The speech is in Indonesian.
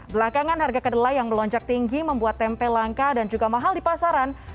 belakangan harga kedelai yang melonjak tinggi membuat tempe langka dan juga mahal di pasaran